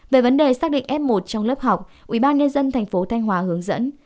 về vấn đề xác định f một trong lớp học ubnd tp thanh hóa hướng dẫn